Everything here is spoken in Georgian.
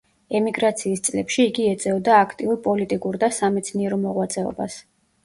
ემიგრაციის წლებში იგი ეწეოდა აქტიურ პოლიტიკურ და სამეცნიერო მოღვაწეობას.